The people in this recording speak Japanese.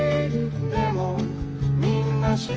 でもみんなシカ」